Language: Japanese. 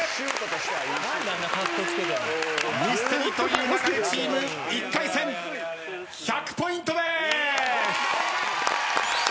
ミステリと言う勿れチーム１回戦１００ポイントです！